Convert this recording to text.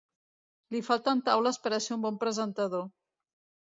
Li falten taules per a ser un bon presentador.